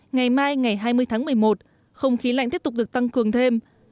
ngày mai ngày hai mươi tháng một mươi một không khí lạnh tiếp tục được tăng cường thêm